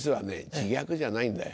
自虐じゃないんだよ。